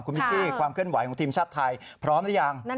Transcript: คุณพิชชี่ความเคลื่อนไหวของทีมชาติไทยพร้อมหรือยัง